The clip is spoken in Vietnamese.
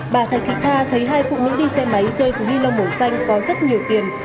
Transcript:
bà thạch thị tha thấy hai phụ nữ đi xe máy rơi cùng ni lông màu xanh có rất nhiều tiền